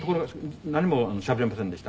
何もしゃべれませんでした。